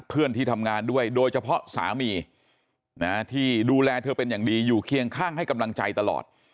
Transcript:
เพื่อนที่ทำงานด้วยโดยเฉพาะสามีนะที่ดูแลเธอเป็นอย่างดีอยู่เคียงข้างให้กำลังใจตลอด